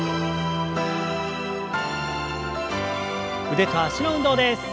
腕と脚の運動です。